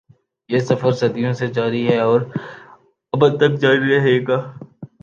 یہ سفر صدیوں سے جاری ہے اور ابد تک جاری رہے گا۔